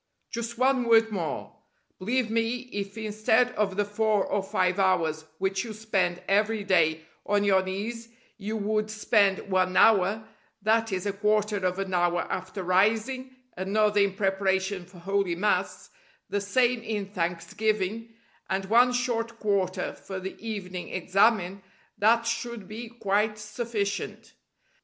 Just one word more. Believe me, if instead of the four or five hours which you spend every day on your knees you would spend one hour that is a quarter of an hour after rising, another in preparation for holy Mass, the same in thanksgiving, and one short quarter for the evening examen that should be quite sufficient.